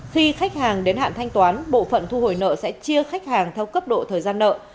khi khách hàng đến hạn thanh toán bộ phận thu hồi nợ sẽ chia khách hàng theo cấp độ thời gian nợ